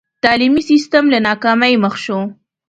تعلیمي سسټم له ناکامۍ مخ شو.